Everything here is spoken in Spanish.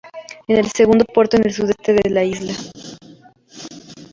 Es el segundo puerto en el sudeste de la isla.